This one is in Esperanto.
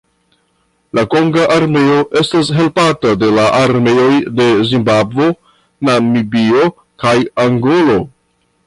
La konga armeo estas helpata de la armeoj de Zimbabvo, Namibio kaj Angolo.